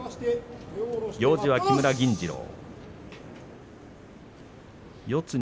行司は木村銀治郎。